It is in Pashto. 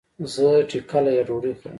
زه ټکله يا ډوډي خورم